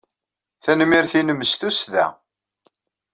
Tanemmirt-nnem s tussda!